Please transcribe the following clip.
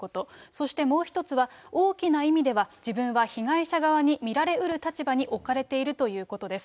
そしてもう１つは、大きな意味では、自分は被害者側に見られうる立場に置かれているということです。